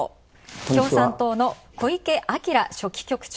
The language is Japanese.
共産党の小池晃書記局長。